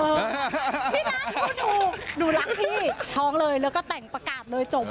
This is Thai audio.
ดูรักพี่ท้องเลยแล้วก็แต่งประกาศเลยจบ